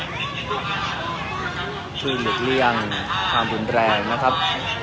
การประตูกรมทหารที่สิบเอ็ดเป็นภาพสดขนาดนี้นะครับ